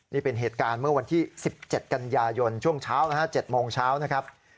นี่เป็นเหตุการณ์เมื่อวันที่๑๗กันยายนช่วงเช้านะฮะ๗โมงเช้านะครับ